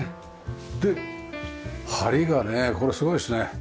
で梁がねこれすごいですね。